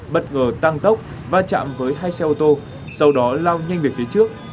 bất ngờ tăng tốc va chạm với hai xe ô tô sau đó lao nhanh về phía trước